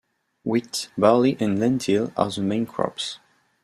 Wheat, barley and lentil are the main crops.